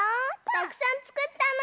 たくさんつくったの！